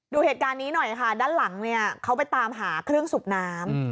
ดูเหตุการณ์นี้หน่อยค่ะด้านหลังเนี่ยเขาไปตามหาเครื่องสูบน้ำ